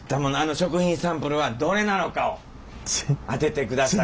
食品サンプルはどれなのかを当ててください。